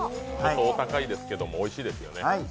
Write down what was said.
お高いですけども、おいしいですよね。